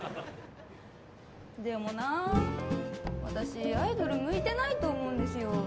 でもなあ私アイドル向いてないと思うんですよ。